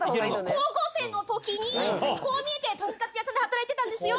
高校生のときにこう見えてとんかつ屋さんで働いてたんですよ。